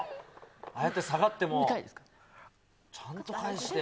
ああやって下がってもちゃんと返して。